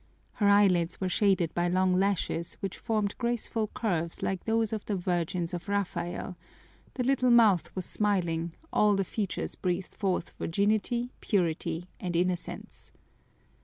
Her eyelids were shaded by long lashes which formed graceful curves like those of the Virgins of Raphael, the little mouth was smiling, all the features breathed forth virginity, purity, and innocence.